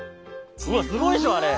うわっすごいでしょあれ。